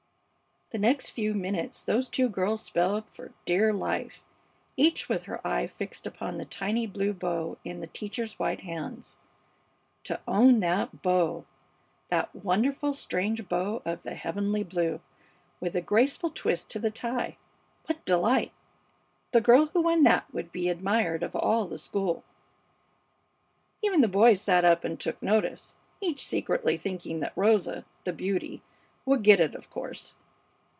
The next few minutes those two girls spelled for dear life, each with her eye fixed upon the tiny blue bow in the teacher's white hands. To own that bow, that wonderful, strange bow of the heavenly blue, with the graceful twist to the tie! What delight! The girl who won that would be the admired of all the school. Even the boys sat up and took notice, each secretly thinking that Rosa, the beauty, would get it, of course.